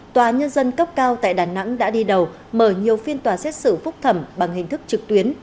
tòa nhân dân cấp cao tại đà nẵng đã đi đầu mở nhiều phiên tòa xét xử phúc thẩm bằng hình thức trực tuyến